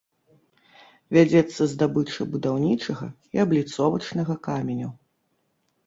Вядзецца здабыча будаўнічага і абліцовачнага каменю.